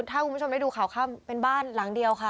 ถ้าคุณผู้ชมได้ดูข่าวค่ำเป็นบ้านหลังเดียวค่ะ